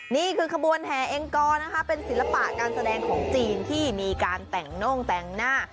นี่คือขบวนแห่เองกอนะคะเป็นศิลปะการแสดงของจีนที่มีการแต่งน่งแต่งหน้า